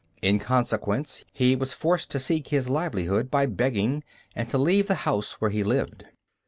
In consequence, he was forced to seek his livelihood by begging, and to leave the house where he lived.